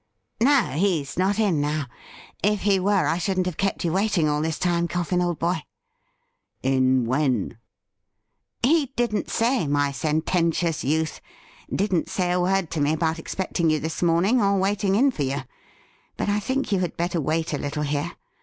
' No, he's not in now ; if he were, I shouldn't have kept you waiting all this time, Coffin, old boy.' ' In — when .'''' He didn't say, my sententious youth. Didn't say a word to me about expecting you this morning, or waiting in for you ; but I think you had better wait a little here.